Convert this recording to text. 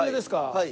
はい。